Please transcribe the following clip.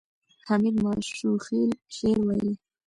حمید ماشوخېل شعر ویلی.